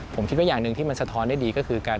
ผมคิดว่าอย่างหนึ่งที่มันสะท้อนได้ดีก็คือการ